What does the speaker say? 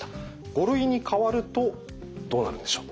５類に変わるとどうなるんでしょう？